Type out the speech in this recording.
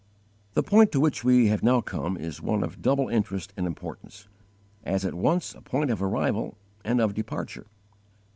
The point to which we have now come is one of double interest and importance, as at once a point of arrival and of departure.